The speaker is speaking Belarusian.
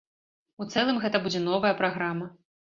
У цэлым гэта будзе новая праграма.